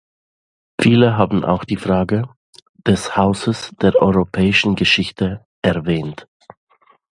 Viele haben auch die Frage des Hauses der Europäischen Geschichte erwähnt.